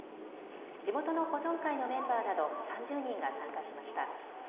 地元の保存会のメンバーなど３０人が参加しました。